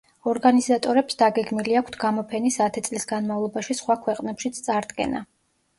ორგანიზატორებს დაგეგმილი აქვთ გამოფენის ათი წლის განმავლობაში სხვა ქვეყნებშიც წარდგენა.